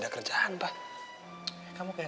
akan juga kelak judaism